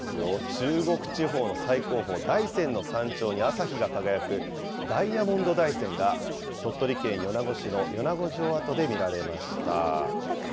中国地方の最高峰、大山の山頂に朝日が輝く、ダイヤモンド大山が鳥取県米子市の米子城跡で見られました。